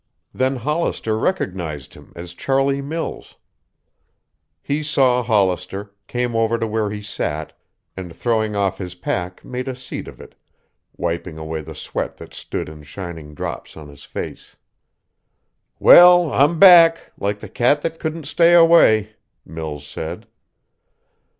Then Hollister recognized him as Charlie Mills. He saw Hollister, came over to where he sat, and throwing off his pack made a seat of it, wiping away the sweat that stood in shining drops on his face. "Well, I'm back, like the cat that couldn't stay away," Mills said.